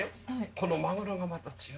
このマグロがまた違うんです。